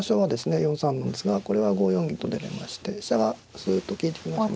４三なんですがこれは５四銀と出れまして飛車がすっと利いてきますね。